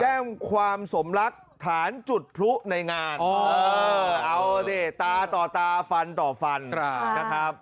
แจ้งความสมรักฐานจุดพลุในงานเอาดิตาต่อตาฟันต่อฟันนะครับ